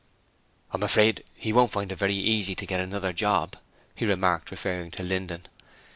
'I'm afraid he won't find it very easy to get another job,' he remarked, referring to Linden.